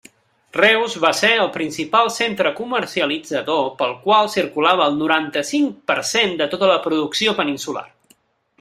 Reus va ser el principal centre comercialitzador pel qual circulava el noranta-cinc per cent de tota la producció peninsular.